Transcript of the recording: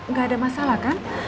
gak ada masalah kan